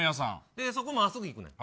そこ、真っすぐ行くねん。